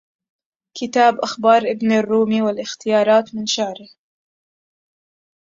كتاب أخبار ابن الرومي والاختيارات من شعره